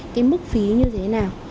cái mức phí như thế nào